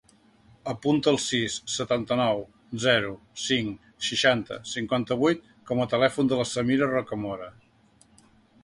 Apunta el sis, setanta-nou, zero, cinc, seixanta, cinquanta-vuit com a telèfon de la Samira Rocamora.